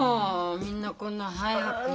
みんなこんな早く。